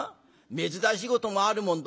珍しいこともあるもんだ。